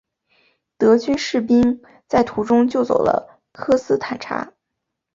德军士兵在途中救走了科斯坦察。